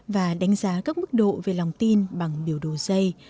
và đánh giá các mức độ về lòng tin bằng biểu đồ dây